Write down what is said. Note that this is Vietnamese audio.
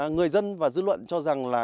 người dân và dư luận cho rằng là